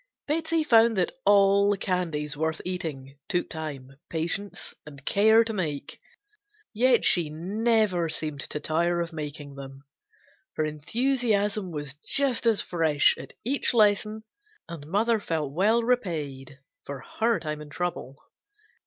Betsey found that all candies worth eating took time, patience and care to make, yet she never seemed to tire of making them. Her enthusiasm was just as fresh at each lesson and mother felt well repaid for her time and trouble.